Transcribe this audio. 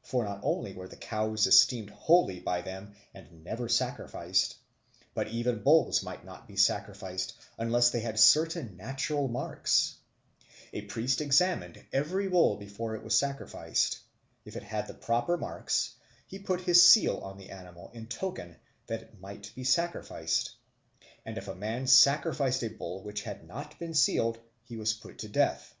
For not only were all cows esteemed holy by them and never sacrificed, but even bulls might not be sacrificed unless they had certain natural marks; a priest examined every bull before it was sacrificed; if it had the proper marks, he put his seal on the animal in token that it might be sacrificed; and if a man sacrificed a bull which had not been sealed, he was put to death.